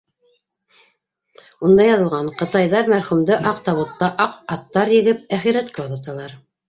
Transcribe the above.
Унда яҙылған: ҡытайҙар мәрхүмде аҡ табутта, аҡ аттар егеп, әхирәткә оҙаталар.